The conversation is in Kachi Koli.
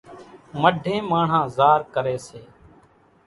مڍين ماڻۿان زار ڪري سي